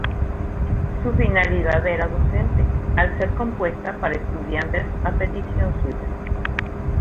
Su finalidad era docente, al ser compuesta para estudiantes a petición suya.